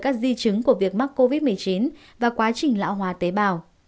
các di chứng của việc mắc covid một mươi chín và quá trình lão hòa tế bào